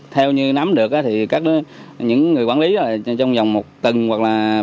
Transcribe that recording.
theo như nắm được thì những người quản lý trong vòng một tuần hoặc là